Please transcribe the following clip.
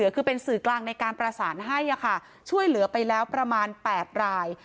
คือเป็นสื่อกลางในการประสานให้ช่วยเหลือไปแล้วประมาณ๘ราย